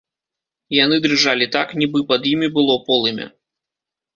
Яны дрыжалі так, нібы пад імі было полымя.